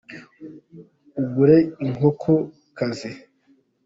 Ugure inkoko kazi.